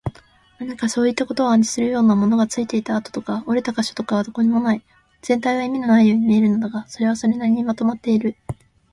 何かそういったことを暗示するような、ものがついていた跡とか、折れた個所とかはどこにもない。全体は意味のないように見えるのだが、それはそれなりにまとまっている。